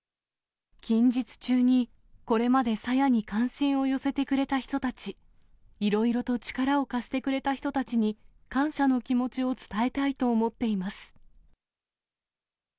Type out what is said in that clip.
近日中に、これまで朝芽さんに関心を寄せてくれた人たち、いろいろと力を貸してくれた人たちに、感謝の気持ちを伝えたいと思っています。